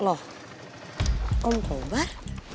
loh om kobar